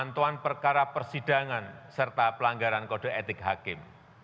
dan juga dalam perkara persidangan serta pelanggaran kode etik hakim